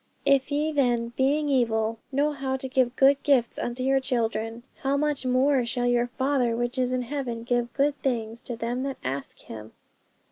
"If ye then, being evil, know how to give good gifts unto your children: how much more shall your Father which is in heaven give good things to them that ask Him?"'